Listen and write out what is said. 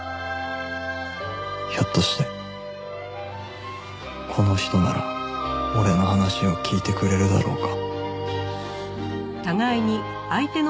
ひょっとしてこの人なら俺の話を聞いてくれるだろうか